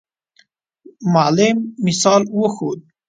معلم مثال وښود.